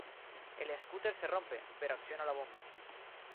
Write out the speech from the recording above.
El scooter se rompe, pero acciona la bomba.